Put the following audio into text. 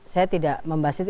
saya tidak membahas itu